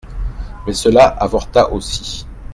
Mais cela avorta aussi.